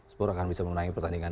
spur akan bisa memenangi pertandingan